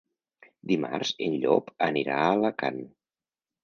Dimarts en Llop anirà a Alacant.